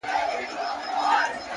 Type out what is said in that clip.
• گواکي موږ به تل له غم سره اوسېږو,